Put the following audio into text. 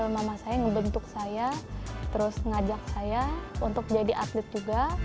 mama saya ngebentuk saya terus ngajak saya untuk jadi atlet juga